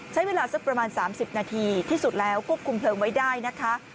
ใช้เวลาสักประมาณ๓๐นาทีที่สุดแล้วควบคุมเพลิงไว้ได้นะคะ